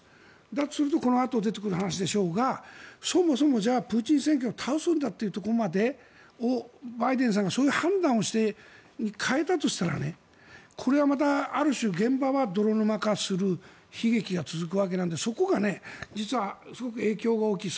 だとするとこのあと出てくる話でしょうがそもそも、プーチン政権を倒すんだというところまでをバイデンさんがそういう判断をして変えたとしたらこれはまたある種、現場は泥沼化する悲劇が続くわけなのでそこが実はすごく影響が大きい。